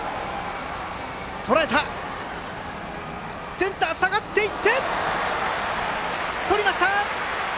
センターが下がってとりました！